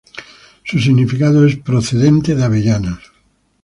Su significado es "procedente de avellanas".